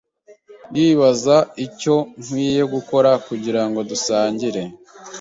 Ndibaza icyo nkwiye gukora kugirango dusangire.